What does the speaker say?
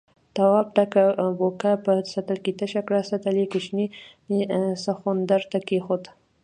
تواب ډکه بوکه په سطل کې تشه کړه، سطل يې کوچني سخوندر ته کېښود.